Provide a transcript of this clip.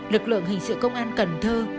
lực lượng hình sự công an cần thơ